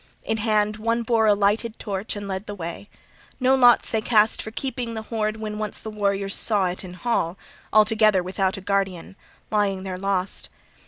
In hand one bore a lighted torch and led the way. No lots they cast for keeping the hoard when once the warriors saw it in hall, altogether without a guardian, lying there lost.